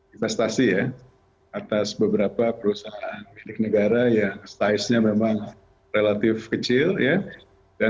investasi ya atas beberapa perusahaan milik negara yang styznya memang relatif kecil ya dan